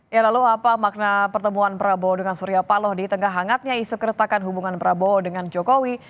ya lalu apa makna pertemuan prabowo dengan surya paloh di tengah hangatnya isu keretakan hubungan prabowo dengan jokowi